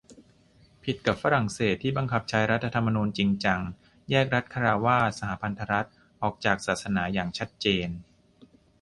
ผิดกับฝรั่งเศส ที่บังคับใช้รัฐธรรมนูญจริงจัง แยกรัฐฆราวาส-สหพันธรัฐออกจากศาสนาอย่างชัดเจน